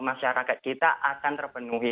masyarakat kita akan terpenuhi